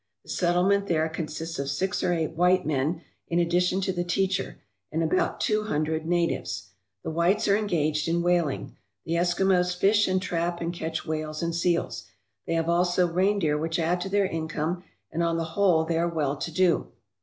The settlement there consists of six or eight white men in addition to the teacher, and about two hundred natives. The whites are engaged in whaling. The Eskimos fish and trap and catch whales and seals. They have also reindeer which add to their income, and on the whole they are well to do.